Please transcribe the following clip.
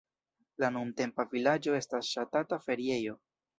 La nuntempa vilaĝo estas ŝatata feriejo.